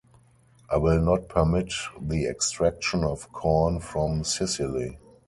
I will not permit the extraction of corn from Sicily.